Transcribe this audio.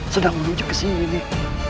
sedang menuju kesini nih